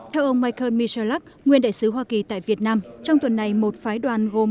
theo ông michael michalak nguyên đại sứ hoa kỳ tại việt nam trong tuần này một phái đoàn gồm bốn mươi năm